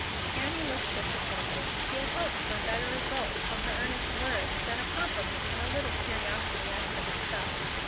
Annie looked disappointed. She had hoped for a better result from her earnest words than a compliment and a little curiosity as to herself.